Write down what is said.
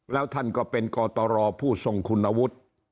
แล้วท่านก็เป็นกตรผู้ทรงคุณวุฒิ